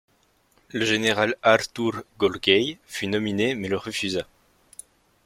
Le général Artúr Görgey fut nominé mais le refusa.